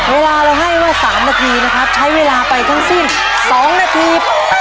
เวลาเราให้เมื่อ๓นาทีนะครับใช้เวลาไปทั้งสิ้น๒นาที